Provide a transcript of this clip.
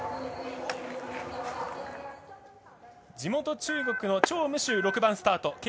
地元・中国の張夢秋６番スタート。